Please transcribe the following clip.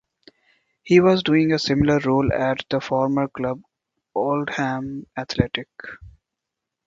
He was doing a similar role at former club Oldham Athletic.